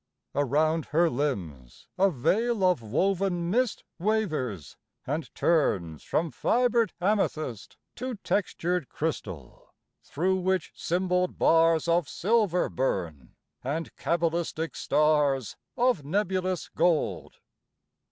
Around her limbs a veil of woven mist Wavers, and turns from fibered amethyst To textured crystal; through which symboled bars Of silver burn, and cabalistic stars Of nebulous gold.